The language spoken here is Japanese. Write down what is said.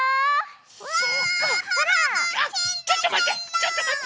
ちょっとまって！